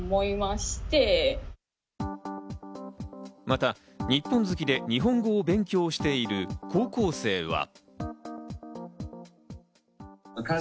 また日本好きで日本語を勉強している高校生は。